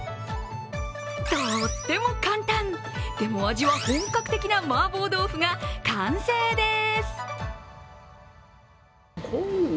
とっても簡単、でも味は本格的な麻婆豆腐が完成です！